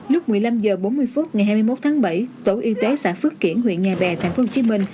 lúc một mươi năm h bốn mươi phút ngày hai mươi một tháng bảy tổ y tế xã phước kiển huyện nhà bè tp hcm